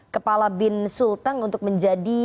kepala bin sulteng untuk menjadi